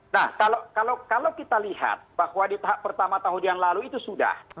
nah kalau kita lihat bahwa di tahap pertama tahun yang lalu itu sudah